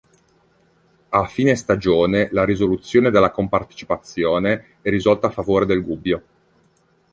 A fine stagione la risoluzione della compartecipazione è risolta a favore del Gubbio.